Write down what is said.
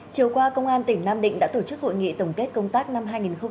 chiều qua công an tỉnh nam định đã tổ chức hội nghị tổng kết công tác năm hai nghìn hai mươi ba